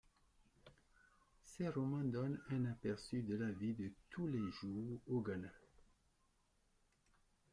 Ses romans donnent un aperçu de la vie de tous les jours au Ghana.